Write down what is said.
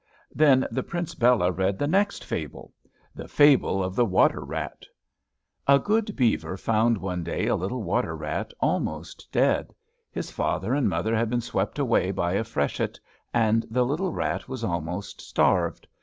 Then the Prince Bela read the next fable, the fable of the WATER RAT. A good beaver found one day a little water rat almost dead. His father and mother had been swept away by a freshet, and the little rat was almost starved.